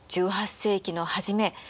１８世紀の初め